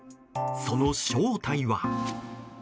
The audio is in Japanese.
その正体は。